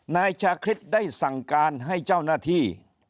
นายชาคริสได้สั่งการให้เจ้าหน้าที่